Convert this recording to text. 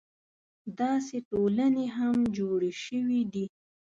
داسې ټولنې هم جوړې شوې دي.